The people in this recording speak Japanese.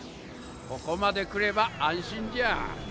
ここまで来れば安心じゃ。